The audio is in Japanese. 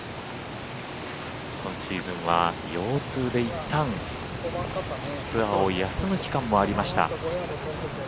今シーズンは腰痛でいったんツアーを休む期間もありました。